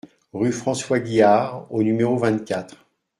Rue François Guihard au numéro vingt-quatre